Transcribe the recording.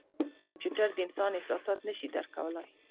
کمپیوټر د انسان احساسات نه شي درک کولای.